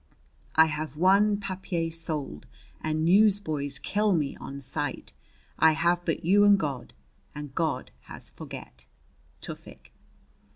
I hav one papier sold, and newsboys kell me on sight. I hav but you and God and God has forget! TUFIK.